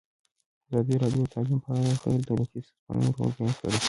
ازادي راډیو د تعلیم په اړه د غیر دولتي سازمانونو رول بیان کړی.